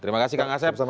terima kasih kang asep